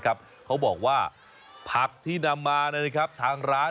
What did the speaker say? กลับไปลูกค้าก็ชมนะทุกคนอร่อยไม่น่าเชื่ออะไรอย่างเนี่ย